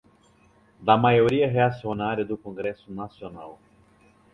da maioria reacionária do Congresso Nacional